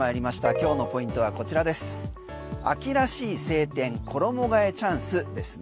今日のポイントはこちら、秋らしい晴天衣替えチャンスですね。